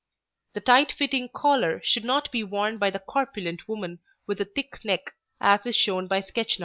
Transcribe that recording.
The tight fitting collar should not be worn by the corpulent woman with a thick neck, as is shown by sketch No.